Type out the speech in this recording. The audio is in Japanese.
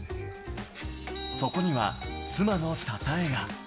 そこには妻の支えが。